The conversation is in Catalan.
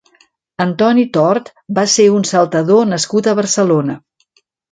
Antoni Tort va ser un saltador nascut a Barcelona.